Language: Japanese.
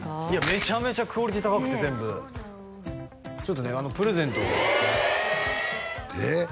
めちゃめちゃクオリティー高くて全部ちょっとねプレゼントをえっ！